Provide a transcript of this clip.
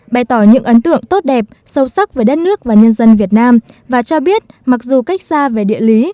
bày tỏ những ấn tượng tốt đẹp sâu sắc về đất nước và nhân dân việt nam và cho biết mặc dù cách xa về địa lý